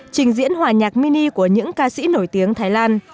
trình diễn hòa nhạc mini của những ca sĩ nổi tiếng thái lan